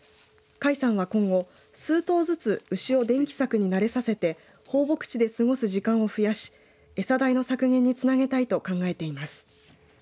甲斐さんは、今後数頭ずつ牛を電気柵に慣れさせて放牧地で過ごし時間を増やし餌代の削減につなげたいと考えています。